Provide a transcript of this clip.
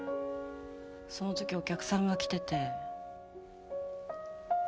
その時お客さんが来てて。